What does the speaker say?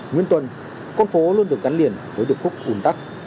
nguyên tuần con phố luôn được gắn liền với được khúc ùn tắc